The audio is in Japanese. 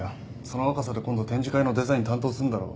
その若さで今度展示会のデザイン担当すんだろ？